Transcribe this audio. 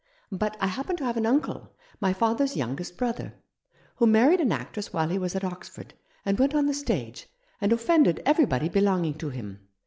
But I happen to have an uncle — my father's youngest brother — who married an actress while he was at Oxford, and went on the stage, and offended everybody belonging to him.